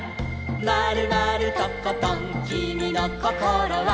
「まるまるとことんきみのこころは」